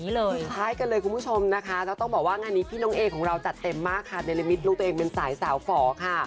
ท้ายกันเลยคุณผู้ชมนะคะแล้วต้องบอกว่างานนี้พี่น้องเอของเราจัดเต็มมากค่ะในละมิตลูกตัวเองเป็นสายสาวฝอค่ะ